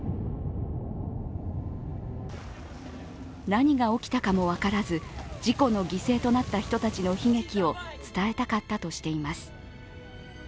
何が起きたかも分からず、事故の犠牲となった人たちの悲劇を伝えたかったとしています。